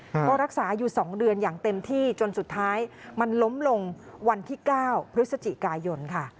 ก็รักษาอยู่๒เดือนอย่างเต็มที่จนสุดท้ายมันล้มลงวันที่๙พฤศจิกายนค่ะ